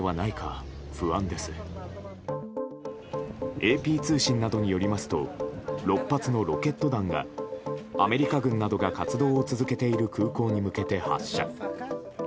ＡＰ通信などによりますと６発のロケット弾がアメリカ軍などが活動を続けている空港に向けて発射。